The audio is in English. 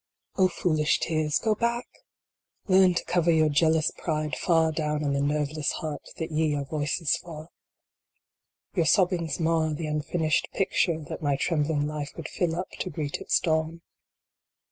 I. Q FOOLISH tears, go back ! Learn to cover your jealous pride far down in the nerveless heart that ye are voices for. Your sobbings mar the unfinished picture that my trem bling life would fill up to greet its dawn.